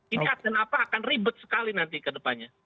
ini akan apa akan ribet sekali nanti ke depannya